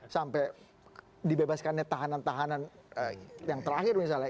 sampai dibebaskannya tahanan tahanan yang terakhir misalnya